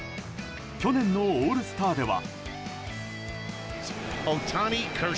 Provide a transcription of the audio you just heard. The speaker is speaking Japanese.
去年のオールスターでは。